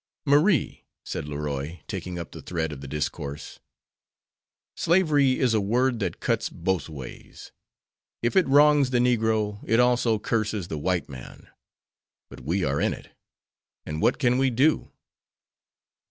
"Marie," said Leroy, taking up the thread of the discourse, "slavery is a sword that cuts both ways. If it wrongs the negro, it also curses the white man. But we are in it, and what can we do?"